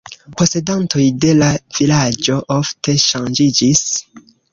Posedantoj de la vilaĝo ofte ŝanĝiĝis.